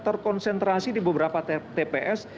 terkonsentrasi di beberapa tps